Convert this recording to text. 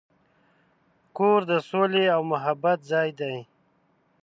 کور د سولې او محبت ځای دی.